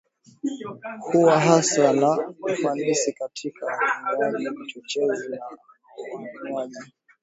huwa hasa na ufanisi katika watumiaji vichochezi na wanywaji